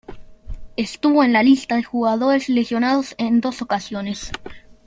Estuvo en la lista de jugadores lesionados en dos ocasiones.